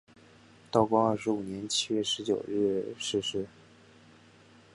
道光二十五年七月十九日逝世。